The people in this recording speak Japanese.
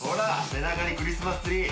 背中にクリスマスツリー！